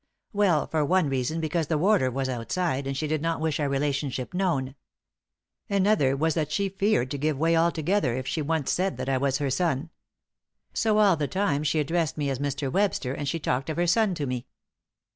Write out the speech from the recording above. "Well, for one reason, because the warder was outside, and she did not wish our relationship known. Another was that she feared to give way altogether if she once said that I was her son. So all the time she addressed me as Mr. Webster; and she talked of her son to me."